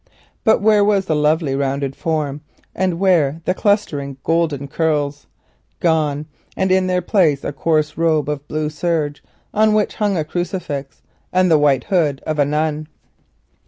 But where was the lovely rounded form, and where the clustering golden curls? Gone, and in their place a coarse robe of blue serge, on which hung a crucifix, and the white hood of the nun.